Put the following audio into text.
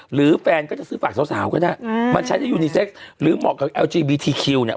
หรือแฟนก็จะซื้อฝากสาวก็ได้อืมมันใช้ในยูนิเซ็กหรือเหมาะกับเอลจีบีทีคิวเนี่ย